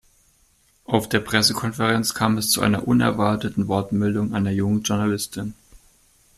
Auf der Pressekonferenz kam es zu einer unerwarteten Wortmeldung einer jungen Journalistin.